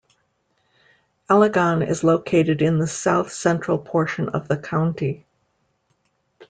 Allegan is located in the south-central portion of the county.